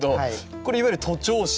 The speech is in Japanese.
これいわゆる徒長枝？